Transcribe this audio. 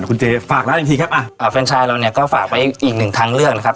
คุณเจฝากร้านอีกทีครับแฟนชายเราเนี่ยก็ฝากไว้อีกหนึ่งทางเลือกนะครับ